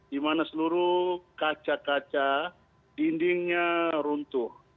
di mana seluruh kaca kaca dindingnya runtuh